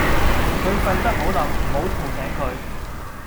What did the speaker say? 佢瞓得好稔唔好嘈醒佢